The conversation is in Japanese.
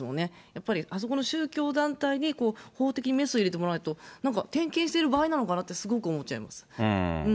やっぱりあそこの宗教団体に、法的メスを入れてかないとなんか点検している場合なのかなって、すごく思っちゃいます。